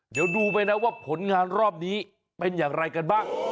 เดี๋ยวดูไปนะว่าผลงานรอบนี้เป็นอย่างไรกันบ้าง